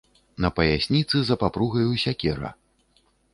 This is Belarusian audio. На паясніцы, за папругаю, сякера.